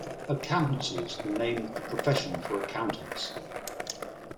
Accountancy is the name of the profession for accountants